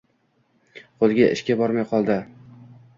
Qo‘li ishga bormay qoldi.